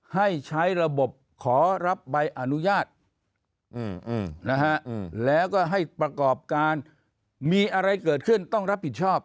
ให้ใช้ระบบขอรับใบอนุญาตแล้วก็ให้ประกอบการมีอะไรเกิดขึ้นต้องรับผิดชอบ